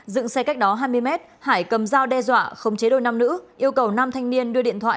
dựng xe cách đó hai mươi mét hải cầm dao đe dọa khống chế đôi nam nữ yêu cầu nam thanh niên đưa điện thoại